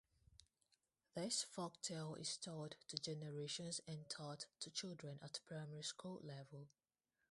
This folktale is told to generations and taught to children at Primary school level.